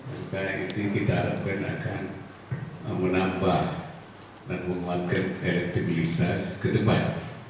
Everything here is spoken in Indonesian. maka ini kita harapkan akan menambah dan membangun elektabilitas kedepan